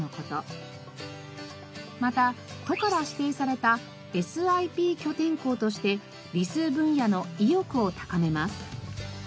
また都から指定されたＳＩＰ拠点校として理数分野の意欲を高めます。